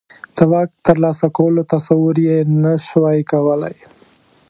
د واک ترلاسه کولو تصور یې نه شوای کولای.